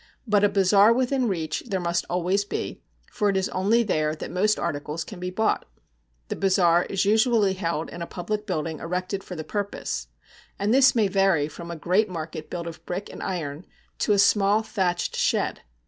But a bazaar within reach there must always be, for it is only there that most articles can be bought. The bazaar is usually held in a public building erected for the purpose, and this may vary from a great market built of brick and iron to a small thatched shed.